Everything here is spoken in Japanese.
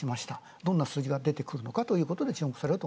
どんな数字が出るのかということで注目されるかと。